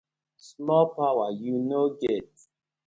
Small powar yu no get.